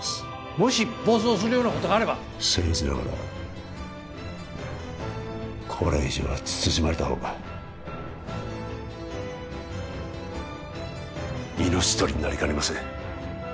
もし暴走するようなことがあれば僭越ながらこれ以上は慎まれたほうが命取りになりかねません